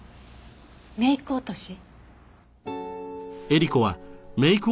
メイク落とし？